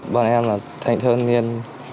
bọn em là thanh thơ nhân viên